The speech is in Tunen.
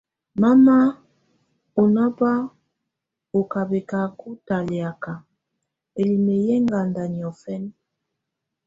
Mama ɔŋɔ́ba á ká bɛcaca talɛ̀áka, ǝlimǝ yɛ̀ ɛŋganda niɔfɛna.